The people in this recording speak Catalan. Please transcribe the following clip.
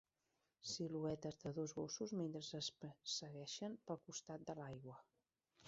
Siluetes de dos gossos mentre es persegueixen pel costat de l'aigua.